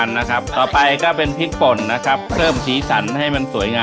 ล้างด้วยเกลือ๒ห่อ